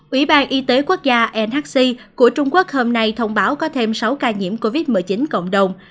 ủy ban y tế quốc gia nhc của trung quốc hôm nay thông báo có thêm sáu ca nhiễm covid một mươi chín cộng đồng